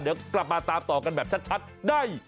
เดี๋ยวกลับมาตามต่อกันแบบชัดได้